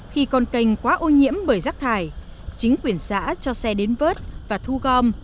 khi con canh quá ô nhiễm bởi rác thải chính quyền xã cho xe đến vớt và thu gom